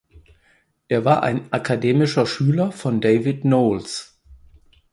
Er war ein akademischer Schüler von David Knowles.